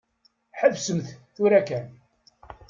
Ḥebsemt tura kan.